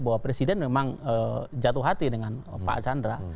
bahwa presiden memang jatuh hati dengan pak chandra